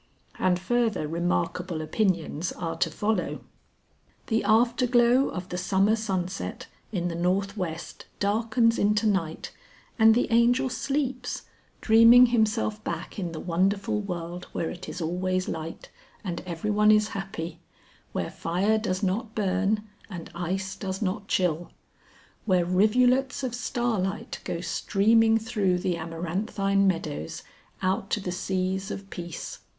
And further remarkable opinions are to follow. The afterglow of the summer sunset in the north west darkens into night and the Angel sleeps, dreaming himself back in the wonderful world where it is always light, and everyone is happy, where fire does not burn and ice does not chill; where rivulets of starlight go streaming through the amaranthine meadows, out to the seas of Peace.